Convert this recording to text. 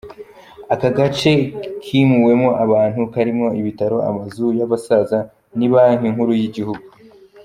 Ako gace kimuwemwo abantu, karimwo ibitaro, amazu y'abasaza n'ibanki nkuru y'igihugu.